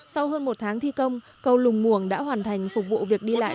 sau hơn một tháng thi công cầu lùng muồng đã hoàn thành phục vụ việc đi lại